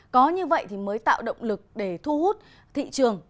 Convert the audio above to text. có như vậy thì mới tạo động lực để thu hút thị trường